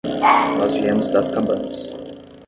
Nós viemos das cabanas.